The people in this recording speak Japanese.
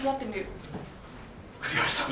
栗原さん。